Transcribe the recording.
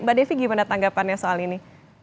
mbak devi gimana tanggapannya soal ini